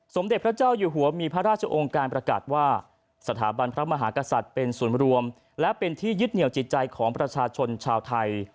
สมเด็จพระเจ้าอยู่หัวมีพระราชองค์การประกาศว่าสถาบันพระมหากษัตริย์เป็นส่วนรวมและเป็นที่ยึดเหนียวจิตใจของประชาชนชาวไทย